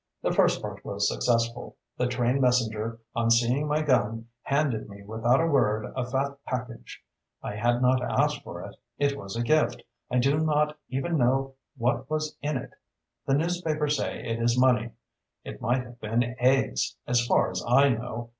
The first part was successful. The train messenger, on seeing my gun, handed me, without a word, a fat package. I had not asked for it. It was a gift. I do not even now know what is in it. The newspapers say it is money. It might have been eggs, as far as I know.